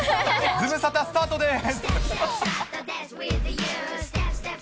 ズムサタ、スタートです。